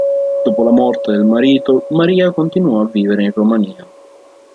Dopo la morte del marito Maria continuò a vivere in Romania.